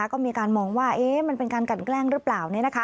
ก็มีการมองว่ามันเป็นการกันแกล้งหรือเปล่า